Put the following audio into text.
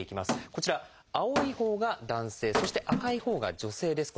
こちら青いほうが男性そして赤いほうが女性です。